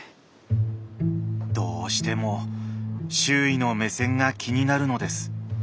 どうしても周囲の目線が気になるのです